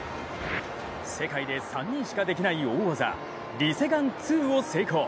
世界で３人しかできない大技リ・セグァン２を成功。